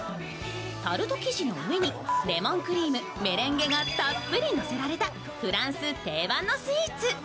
タルト生地の上にレモンクリーム、メレンゲがたっぷりのせられたフランス定番のスイーツ。